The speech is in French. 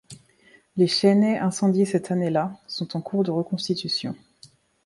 Les chênaies incendiées cette année là sont en cours de reconstitution.